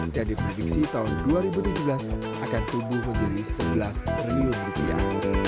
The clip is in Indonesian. dan diprediksi tahun dua ribu tujuh belas akan tumbuh menjadi sebelas triliun rupiah